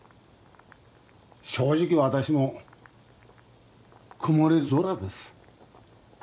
正直私も曇り空です